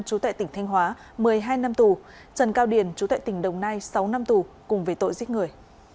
trú tại tỉnh thanh hóa một mươi hai năm tù trần cao điển chú tại tỉnh đồng nai sáu năm tù cùng về tội giết người